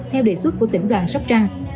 theo đề xuất của tỉnh đoàn sóc trăng